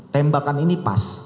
tembakan ini pas